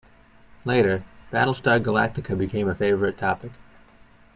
Later, "Battlestar Galactica" became a favorite topic.